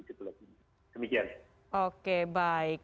demikian oke baik